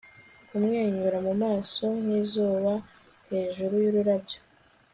Kumwenyura mu maso nkizuba hejuru yururabyo